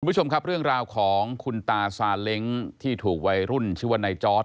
คุณผู้ชมครับเรื่องราวของคุณตาซาเล้งที่ถูกวัยรุ่นชื่อว่านายจอร์ด